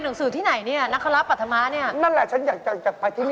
เดี๋ยวเขาเรียกนักความประถม